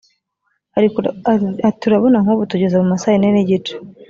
Ati” urabona nk’ubu tugeze mu ma saa ine n’igice